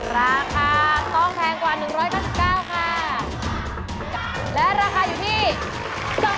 ราคาต้องแพงกว่า๑๙๙ค่ะและราคาอยู่ที่